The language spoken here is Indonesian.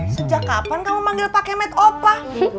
sejak kapan kamu manggil pak kemet opa